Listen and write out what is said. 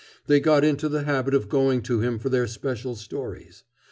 They got into the habit of going to him for their special stories.